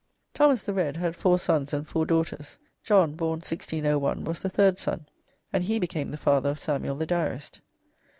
Thomas the red had four sons and four daughters. John, born 1601, was the third son, and he became the father of Samuel the Diarist.